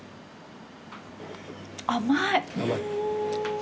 甘い。